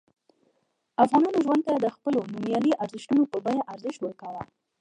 افغانانو ژوند ته د خپلو نوميالیو ارزښتونو په بیه ارزښت ورکاوه.